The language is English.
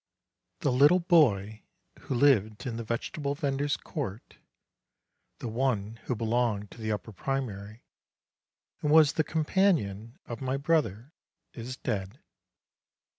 The little boy who lived in the vegetable vendor's court, the one who belonged to the upper primary, and was the companion of my brother, is dead.